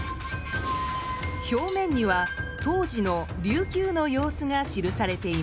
表面には当時の琉球の様子が記されています。